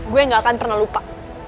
gue gak akan pernah lupa